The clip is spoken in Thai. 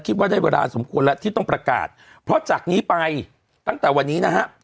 ว่าได้เวลาสมควรแล้วที่ต้องประกาศเพราะจากนี้ไปตั้งแต่วันนี้นะฮะ